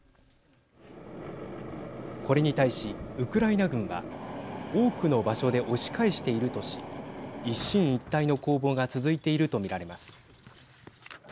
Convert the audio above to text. これに対しウクライナ軍は多くの場所で押し返しているとし一進一退の攻防が続いていると見られます。